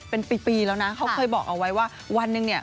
เป็นปีแล้วนะเขาเคยบอกเอาไว้ว่าวันหนึ่งเนี่ย